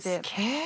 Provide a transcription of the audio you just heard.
え。